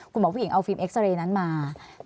คุณหมอผู้หญิงเอาฟิล์เอ็กซาเรย์นั้นมา